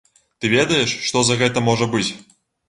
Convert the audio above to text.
Ты ведаеш, што за гэта можа быць?